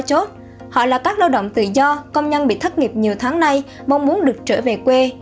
chốt họ là các lao động tự do công nhân bị thất nghiệp nhiều tháng nay mong muốn được trở về quê